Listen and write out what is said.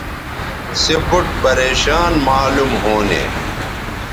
سے بُوٹ پریشان معلوم ھونے